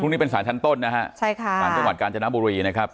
พรุ่งนี้เป็นศาลชั้นต้นนะฮะศาลต้นหวัดการจนบุรีนะครับ